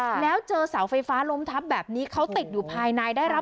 มีประชาชนในพื้นที่เขาถ่ายคลิปเอาไว้ได้ค่ะ